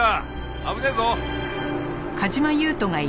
危ねえぞ。